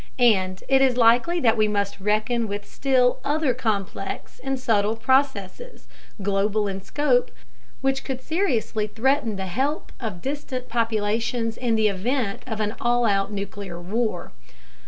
And it is likely that we must reckon with still other complex and subtle processes, global in scope, which could seriously threaten the health of distant populations in the event of an all out nuclear war.